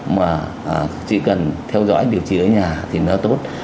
mà chỉ cần theo dõi điều trị ở nhà thì nó tốt